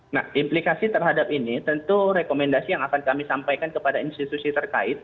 nah implikasi terhadap ini tentu rekomendasi yang akan kami sampaikan kepada institusi terkait